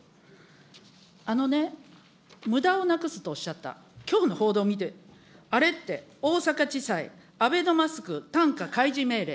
あのね、むだをなくすとおっしゃった、きょうの報道見て、あれって、大阪地裁、アベノマスク単価開示命令。